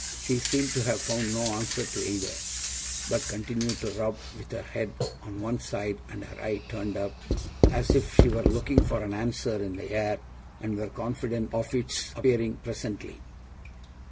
She seemed to have found no answer to either, but continued to rub, with her head on one side and her eye turned up, as if she were looking for an answer in the air and were confident of its appearing presently.